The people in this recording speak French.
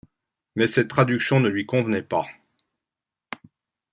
Mais cette traduction ne lui convenait pas.